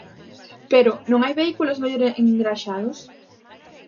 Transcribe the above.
Pero, non hai vehículos mellor engraxados?